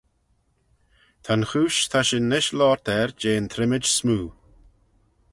Ta'n chooish ta shin nish loayrt er jeh'n trimmid smoo.